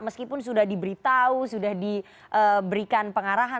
meskipun sudah diberitahu sudah diberikan pengarahan